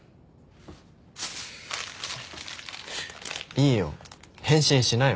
いいよ返信しなよ。